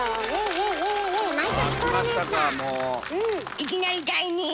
いきなり第２位！